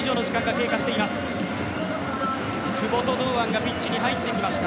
久保と堂安がピッチに入ってきました。